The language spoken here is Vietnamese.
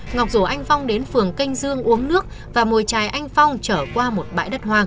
ngọc rủ anh phong đến phường canh dương uống nước và mồi trài anh phong trở qua một bãi đất hoang